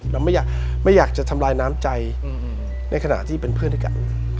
เราไม่อยากจะทำลายน้ำใจในขณะที่เป็นเพื่อนด้วยกัน